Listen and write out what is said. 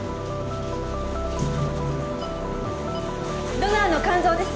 ドナーの肝臓です。